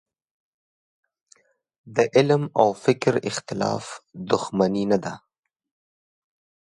د علم او فکر اختلاف دوښمني نه ده.